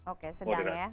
oke sedang ya